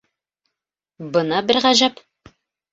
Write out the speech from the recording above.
— Бына бер ғәжәп.